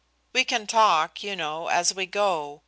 We can talk, you know, as we go.